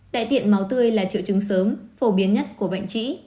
tại tiện máu tươi là triệu chứng sớm phổ biến nhất của bệnh trĩ